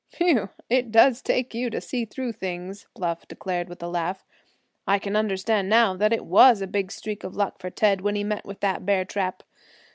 "Whew! it does take you to see through things," Bluff declared, with a laugh. "I can understand now that it was a big streak of luck for Ted when he met with that bear trap.